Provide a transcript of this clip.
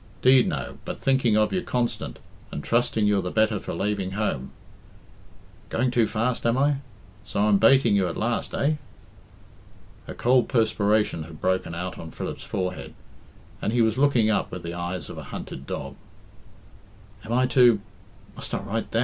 'Deed no, but thinking of you constant, and trusting you're the better for laving home '... Going too fast, am I? So I'm bating you at last, eh?" A cold perspiration had broken out on Philip's forehead, and he was looking up with the eyes of a hunted dog. "Am I to must I write that?"